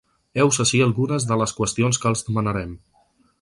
Heus ací algunes de les qüestions que els demanarem.